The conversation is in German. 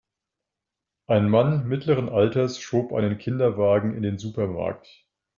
Ein Mann mittleren Alters schob einen Kinderwagen in den Supermarkt.